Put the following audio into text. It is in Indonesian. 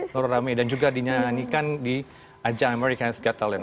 baru rame dan juga dinyanyikan di ajah american's got talent